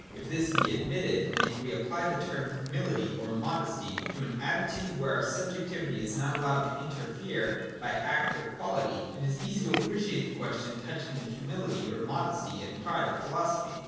If this be admitted, and if we apply the term humility or modesty to an attitude where our subjectivity is not allowed to interfere by act or quality, it is easy to appreciate the question touching the humility or modesty and pride of philo sophy.